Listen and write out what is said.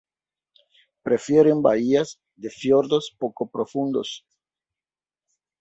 Prefieren bahías de fiordos poco profundos.